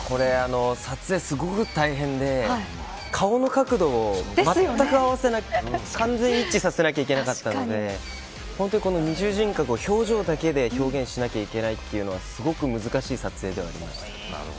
撮影すごく大変で顔の角度を完全一致させなきゃいけなかったので二重人格を表情だけで表現しなきゃいけないというのはすごく難しい撮影でした。